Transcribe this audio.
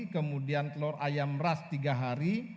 kemudian telur ayam ras tiga hari